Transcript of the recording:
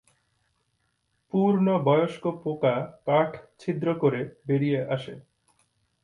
পূর্ণবয়স্ক পোকা কাঠ ছিদ্র করে বেরিয়ে আসে।